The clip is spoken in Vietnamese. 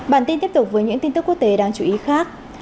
bản tin tiếp tục với những tin tức quốc tế đáng chú ý khác